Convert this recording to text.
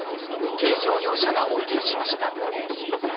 軽乗用車が横転しました。